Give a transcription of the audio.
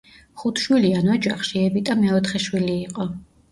ხუთშვილიან ოჯახში, ევიტა მეოთხე შვილი იყო.